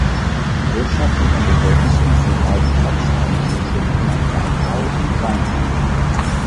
Wirtschaftlich am bedeutendsten für Walporzheim sind schon immer Weinbau und Weinhandel.